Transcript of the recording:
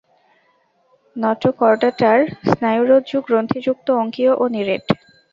নটোকর্ডাটার স্নায়ুরজ্জু গ্রন্থিযুক্ত, অঙ্কীয় ও নিরেট।